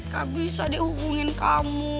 gak bisa deh hubungin kamu